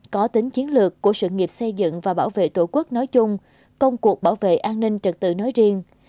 có tính chiến lược của sự nghiệp xây dựng và bảo vệ tổ quốc nói chung công cuộc bảo vệ an ninh trật tự nói riêng